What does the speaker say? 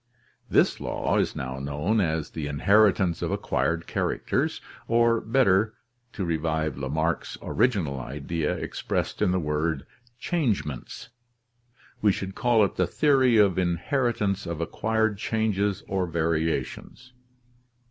(This law is now known as the inheritance of acquired characters, or better, to revive Lamarck's original idea expressed 163 164 ORGANIC EVOLUTION in the word changements, we should call it the theory of inheritance of acquired changes or variations.)